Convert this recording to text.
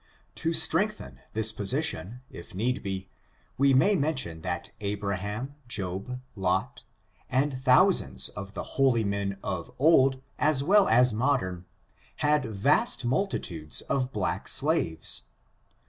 To strengthen this position, if need be, we may mention that Abraham^ Job, Lot, and thousands of the holy men of old, as well as modern, had vast multitudes of black slaves.